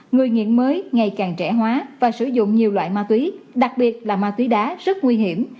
người nghiện mới ngày càng trẻ hóa và sử dụng nhiều loại ma túy đặc biệt là ma túy đá rất nguy hiểm